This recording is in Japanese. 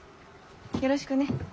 よろしくね。